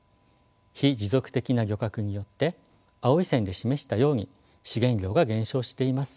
非持続的な漁獲によって青い線で示したように資源量が減少しています。